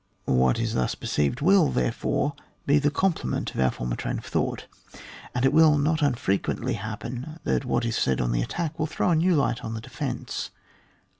What is thus per ceived will, therefore, be the complement of our former train of thought ; and it will not unfrequently happen that what is said on the attack will throw a new light on the defence.